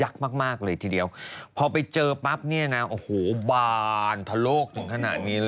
อ่ะค่ะอรรยภาพผู้ไม่หมกมุ่นค่ะบวกันซิว่ะ